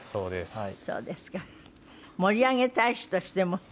はい。